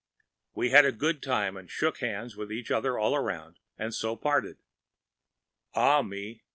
We had a good time, and shook hands with one another all around, and so parted. Ah, me!